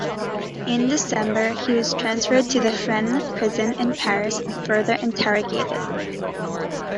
In December he was transferred to Fresnes prison in Paris and further interrogated.